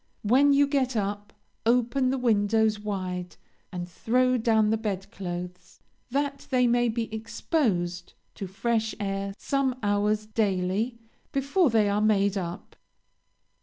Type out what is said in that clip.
When you get up, open the windows wide, and throw down the bed clothes, that they may be exposed to fresh air some hours, daily, before they are made up.